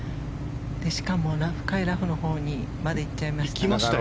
しかも、ラフから深いラフのほうまで行っちゃいました。